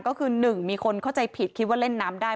ก็คือ๑มีคนเข้าใจผิดคิดว่าเล่นน้ำได้